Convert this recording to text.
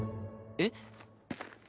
えっ？